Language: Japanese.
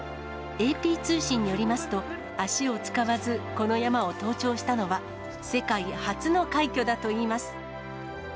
ＡＰ通信によりますと、足を使わずこの山を登頂したのは、世界初の快挙だといいます。